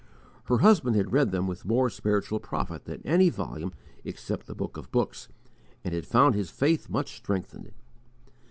Her husband had read them with more spiritual profit than any volume except the Book of books, and had found his faith much strengthened.